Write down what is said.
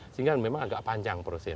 sehingga memang agak panjang prosesnya